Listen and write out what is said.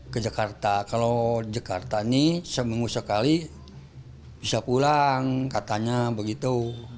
ke jakarta kalau jakarta ini seminggu sekali bisa pulang katanya begitu